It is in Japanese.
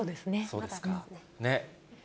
そうですか、ね。